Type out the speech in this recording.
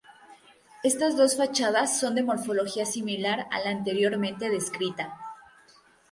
Estas dos fachadas son de morfología similar a la anteriormente descrita.